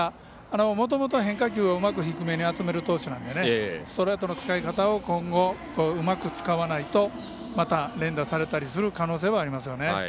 もともと変化球をうまく低めに集める投手なのでストレートの使い方を今後うまく使わないとまた連打されたりする可能性はありますよね。